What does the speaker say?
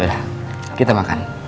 udah kita makan